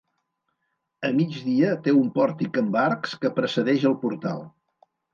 A migdia té un pòrtic amb arcs que precedeix el portal.